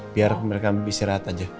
biar mereka istirahat aja